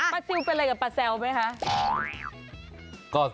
ซิลเป็นอะไรกับป้าแซวไหมคะ